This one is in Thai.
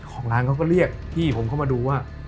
ของร้านเขาก็เรียกพี่ผมเข้ามาดูว่า